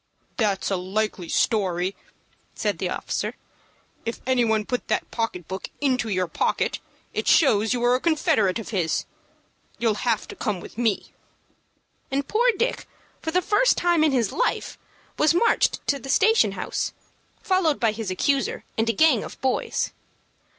"That's a likely story," said the officer. "If any one put the pocket book into your pocket, it shows you were a confederate of his. You'll have to come with me." And poor Dick, for the first time in his life, was marched to the station house, followed by his accuser, and a gang of boys.